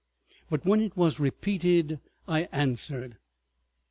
But when it was repeated I answered.